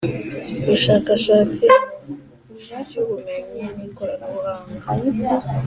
bushakashatsi mu by ubumenyi n ikoranabuhanga